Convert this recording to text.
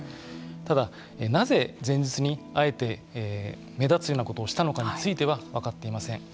ただなぜ前日にあえて目立つようなことをしたのかについては分かっていません。